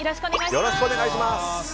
よろしくお願いします。